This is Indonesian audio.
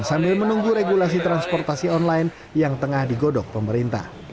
sambil menunggu regulasi transportasi online yang tengah digodok pemerintah